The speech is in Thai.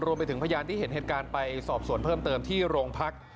รวมไปถึงพยานที่เห็นเหตุการณ์ไปสอบส่วนเพิ่มเติมที่โรงพรรค